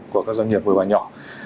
của các doanh nghiệp vừa và nhỏ